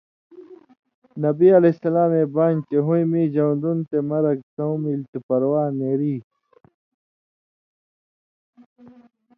نبیؐ علیہ سلامے بانیۡ چےۡ ہُویں میں ژؤن٘دُن تے مرگ څؤں مِلیۡ تُھو (پروا نېری)۔